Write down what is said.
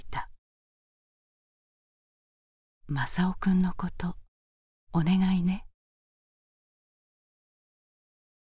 「政男くんのことお願いね」。